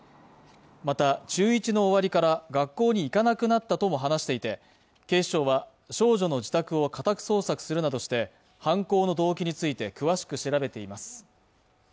また、中１の終わりから学校に行かなくなったとも話していて警視庁は少女の自宅を家宅捜索するなどして犯行の動機について詳しく調べています。